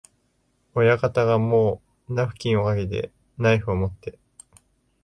親方がもうナフキンをかけて、ナイフをもって、